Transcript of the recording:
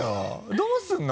どうするの？